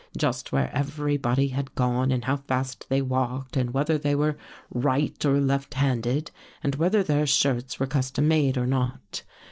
Just where every body had gone and how fast they walked and whether they were right or left handed and whether their shirts were custom made or not.